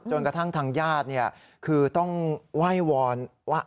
กระทั่งทางญาติคือต้องไหว้วอนว่า